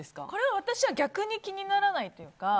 これは私は逆に気にならないというか。